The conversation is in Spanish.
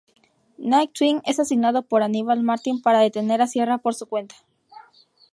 Nightwing es asignado por Aníbal Martin para detener a Sierra por su cuenta.